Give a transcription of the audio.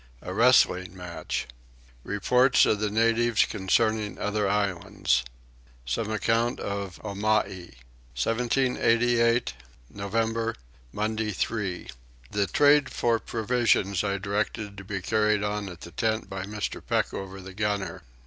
A Wrestling Match. Reports of the Natives concerning other Islands. Some Account of Omai. 1788. November. Monday 3. The trade for provisions I directed to be carried on at the tent by Mr. Peckover the gunner.